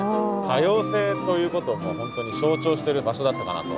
多様性ということをもう本当に象徴してる場所だったかなと。